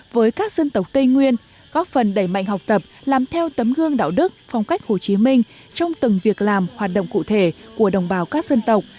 với các dân tộc tây nguyên góp phần đẩy mạnh học tập làm theo tấm gương đạo đức phong cách hồ chí minh trong từng việc làm hoạt động cụ thể của đồng bào các dân tộc